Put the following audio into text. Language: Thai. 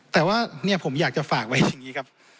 แต่ว่าเนี่ยผมอยากจะฝากไว้อย่างนี้ครับ